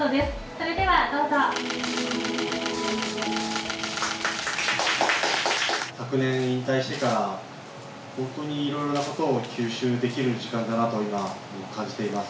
それではどうぞ昨年引退してからホントに色々なことを吸収できる時間だなと今感じています